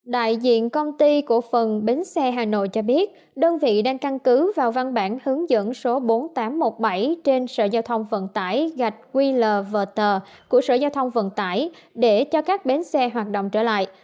đại diện công ty cổ phần bến xe hà nội cho biết đơn vị đang căn cứ vào văn bản hướng dẫn số bốn nghìn tám trăm một mươi bảy trên sở giao thông vận tải gạch qlvt của sở giao thông vận tải để cho các bến xe hoạt động trở lại